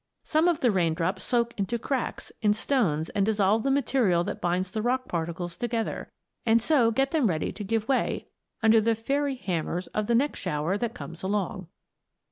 Some of the raindrops soak into cracks in stones and dissolve the material that binds the rock particles together, and so get them ready to give way under the fairy hammers of the next shower that comes along.